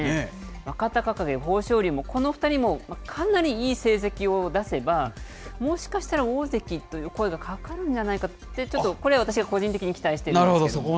若隆景、豊昇龍もこの２人もかなりいい成績を出せば、もしかしたら大関という声がかかるんじゃないかって、ちょっとこれ、私が個人的に期待してるんですけれども。